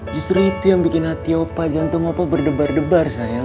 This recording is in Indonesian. justru itu yang bikin hati opa jantung opa berdebar debar sayang